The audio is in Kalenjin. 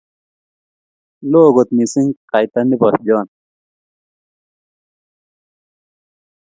loo kot mising kaitanibo Joan